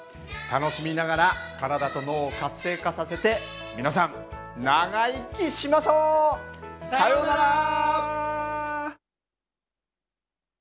楽しみながら体と脳を活性化させて皆さん長生きしましょう！さよなら！